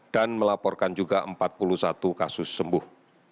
dan melaporkan juga empat puluh satu kasus sembuh